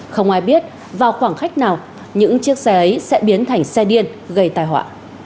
không ai biết vào khoảng khách nào những chiếc xe ấy sẽ biến thành xe điên gây tài họa